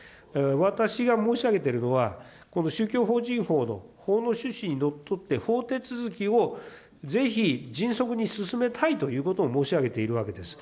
私が申し上げているのは、この宗教法人法の法の趣旨にのっとって法手続きをぜひ迅速に進めたいということを申し上げているわけです。